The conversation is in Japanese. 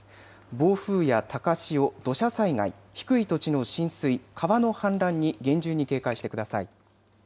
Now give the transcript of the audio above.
暴風や高潮、土砂災害、低い土地の浸水、川の氾濫に厳重に警戒してください。